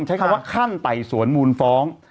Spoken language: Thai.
ใช้คำว่าขั้นไต่สวนมูลฟ้อง